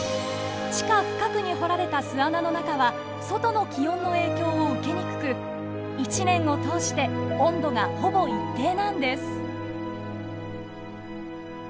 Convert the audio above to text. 地下深くに掘られた巣穴の中は外の気温の影響を受けにくく１年を通して温度がほぼ一定なんです。